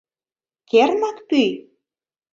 Кернак пӱй?